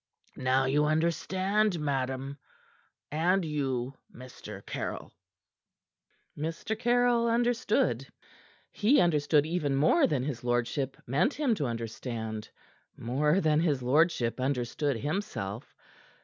Now you understand, madam and you, Mr. Caryll." Mr. Caryll understood. He understood even more than his lordship meant him to understand; more than his lordship understood, himself.